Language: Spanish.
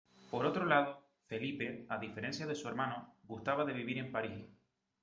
Por otro lado, Felipe, a diferencia de su hermano, gustaba de vivir en París.